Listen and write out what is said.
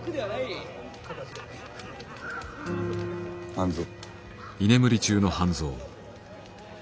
半蔵。